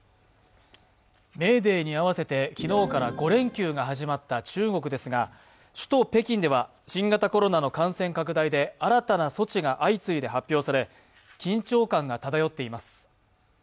メーデーに合わせて昨日から５連休が始まった中国ですが首都・北京では新型コロナの感染拡大で新たな措置が相次いで発表され緊張感が漂っています。